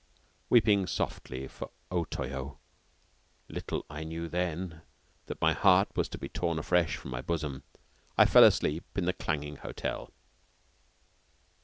Weeping softly for O Toyo (little I knew then that my heart was to be torn afresh from my bosom) I fell asleep in the clanging hotel.